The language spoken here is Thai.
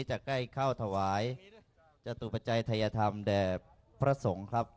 จะใกล้เข้าถวายจตุปัจจัยทัยธรรมแด่พระสงฆ์ครับ